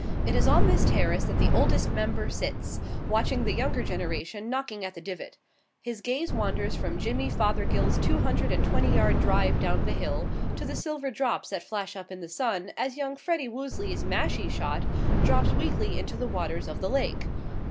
It is on this terrace that the Oldest Member sits, watching the younger generation knocking at the divot. His gaze wanders from Jimmy Fothergill's two hundred and twenty yard drive down the hill to the silver drops that flash up in the sun, as young Freddie Woosley's mashie shot drops weakly into the waters of the lake.